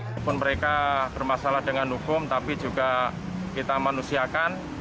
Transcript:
walaupun mereka bermasalah dengan hukum tapi juga kita manusiakan